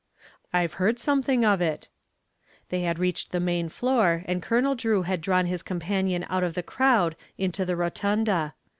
"I've heard something of it." They had reached the main floor and Colonel Drew had drawn his companion out of the crowd into the rotunda.